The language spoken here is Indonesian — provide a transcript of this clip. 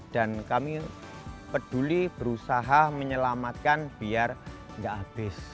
dan kami peduli berusaha menyelamatkan biar gak habis